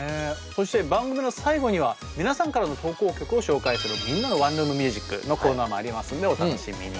そして番組の最後には皆さんからの投稿曲を紹介する「みんなのワンルーム☆ミュージック」のコーナーもありますのでお楽しみに！